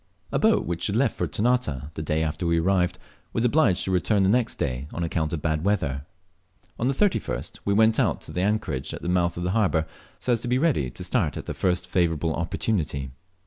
A boat which left for Ternate, the day after we arrived, was obliged to return the next day, on account of bad weather. On the 31st we went out to the anchorage at the mouth of the harbour, so as to be ready to start at the first favourable opportunity.